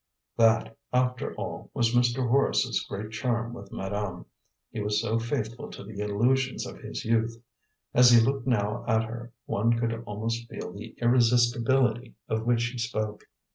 That, after all, was Mr. Horace's great charm with madame; he was so faithful to the illusions of his youth. As he looked now at her, one could almost feel the irresistibility of which he spoke.